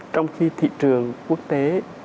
trong khi thị trường quốc tế